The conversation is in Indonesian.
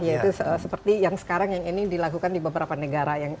yaitu seperti yang sekarang yang ini dilakukan di beberapa negara